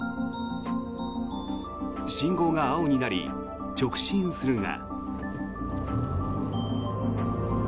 信号が青になり、直進するが。